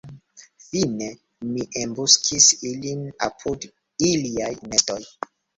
Fine, mi embuskis ilin apud iliaj nestoj.